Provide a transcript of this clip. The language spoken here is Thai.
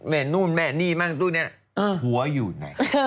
ไม่คือนี่ไง